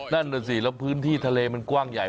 นั่นสิพื้นที่ทะเลมันกว้างใหญ่